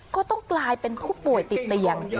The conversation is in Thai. ก็ต้องกลายเป็นผู้ป่วยติดเตียง